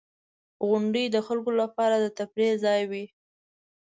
• غونډۍ د خلکو لپاره د تفریح ځای وي.